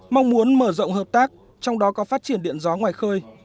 mong muốn mở rộng hợp tác trong đó có phát triển điện gió ngoài khơi